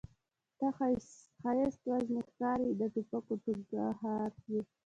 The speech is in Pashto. ته ښایست وژنې ښکارې یې د توپکو ټکهار یې